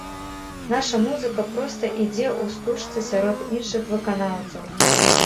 Наша музыка проста ідзе ў стужцы сярод іншых выканаўцаў.